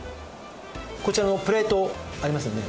こちらのプレートありますよね。